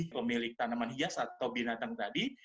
pemilik tanaman hias atau binatang tadi